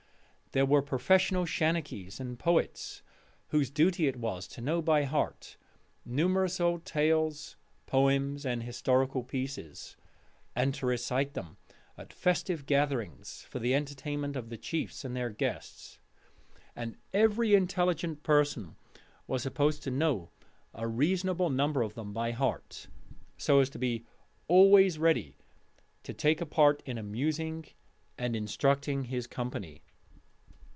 There were professional shanachies and poets whose duty it was to know by heart numerous old tales, poems, and historical pieces, and to recite them at festive gatherings for the entertainment of the chiefs and their guests: and every intelligent person was supposed to know a reasonable number of them by heart, so as to be always ready to take a part in amusing and instructing his company.